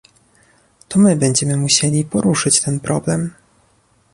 To my będziemy musieli poruszyć ten problem